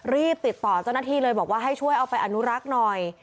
รีบติดต่อเจ้าหน้าที่เลยบอกว่าให้ช่วยเอาไปอนุรักษ์หน่อย